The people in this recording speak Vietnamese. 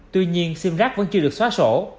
tuy nhiên sim rác vẫn chưa được xóa sổ